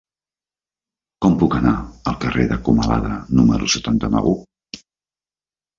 Com puc anar al carrer de Comalada número setanta-nou?